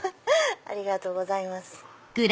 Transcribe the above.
ありがとうございます。